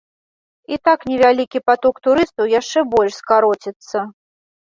І так невялікі паток турыстаў яшчэ больш скароціцца.